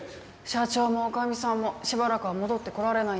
社長も女将さんもしばらくは戻ってこられないんだし。